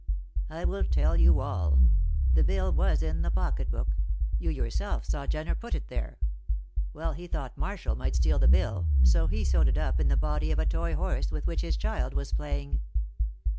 "I will tell you all. The bill was in the pocket book; you yourself saw Jenner put it there. Well, he thought Marshall might steal that bill, so he sewed it up in the body of a toy horse with which his child was playing.